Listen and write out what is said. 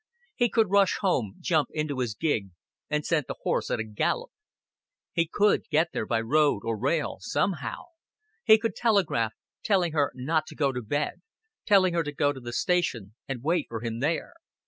He could rush home, jump into his gig, and send the horse at a gallop; he could get there by road or rail, somehow; he could telegraph, telling her not to go to bed, telling her to go to the station and wait for him there.